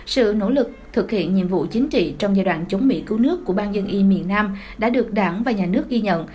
sự nỗ lực thực hiện nhiệm vụ chính trị trong giai đoạn chống mỹ cứu nước của bang dân y miền nam đã được đảng và nhà nước ghi nhận